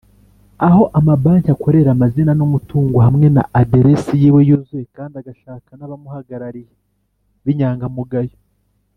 aho amabanki akorera amazina n umutungo hamwe na aderesi yiwe yuzuye kandi agashaka n’abamuhagarariye b’inyangamugayo.